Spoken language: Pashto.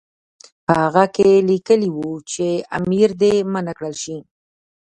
په هغه کې لیکلي وو چې امیر دې منع کړل شي.